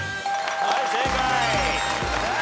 はい正解。